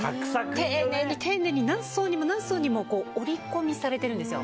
丁寧に丁寧に何層にも何層にも折り込みされてるんです。